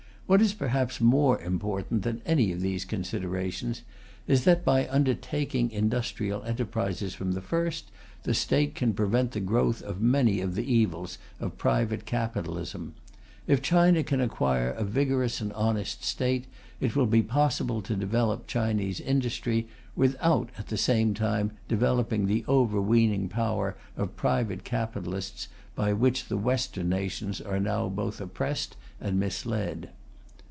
What is perhaps more important than any of these considerations is that, by undertaking industrial enterprise from the first, the State can prevent the growth of many of the evils of private capitalism. If China can acquire a vigorous and honest State, it will be possible to develop Chinese industry without, at the same time, developing the overweening power of private capitalists by which the Western nations are now both oppressed and misled.